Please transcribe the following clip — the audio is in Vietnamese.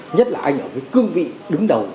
nhất là anh ở với cương vị đứng đầu